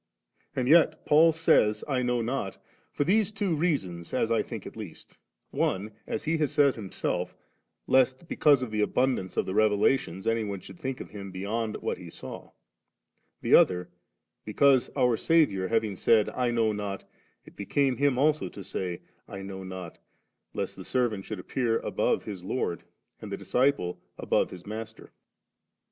And yet Paul says * I know not,' for these two reasons, as I think at least ; one, as he has said himself, lest because of the abundance of the revelations any one should think of him beyond what he saw ; the other, because, our Saviour having said 'I know not,' it became him also to say ' I know not,' lest the servant should appear above his Lord, and the disciple above his Master.